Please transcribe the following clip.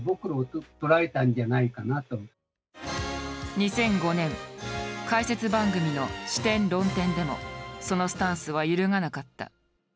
２００５年解説番組の「視点・論点」でもそのスタンスは揺るがなかった。